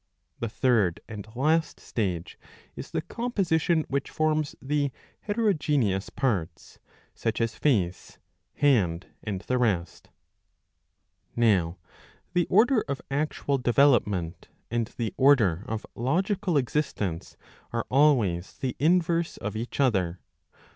The third and last stage is the composition which forms the heterogeneous parts, such as face, hand, and the rest.^ Now the order of actual development and the order of logical existence are always the inverse of each other.